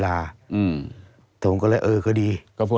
ตั้งแต่ปี๒๕๓๙๒๕๔๘